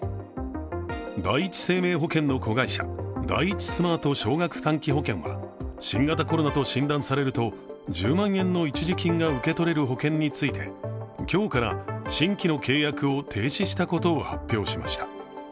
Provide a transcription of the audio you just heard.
第一生命保険の子会社、第一スマート少額短期保険は、新型コロナと診断されると１０万円の一時金が受け取れる保険について今日から新規の契約を停止したことを発表しました。